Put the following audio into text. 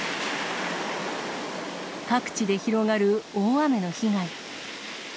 各地で広がる大雨の被害。